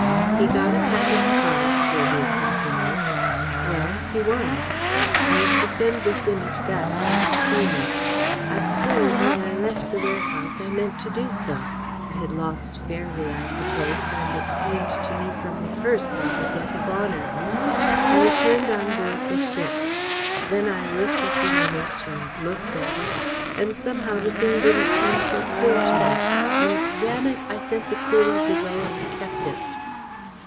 "He got a pack of cards," Gregory continued. "Well he won! I was to send this Image back from the steamer. I swear that when I left the warehouse I meant to do so. I had lost fairly, I suppose, and it seemed to me from the first like a debt of honour. I returned on board the ship. Then I looked at the Image and looked at it, and somehow the thing didn't seem so clear to me, and damn it, I sent the coolies away and kept it!"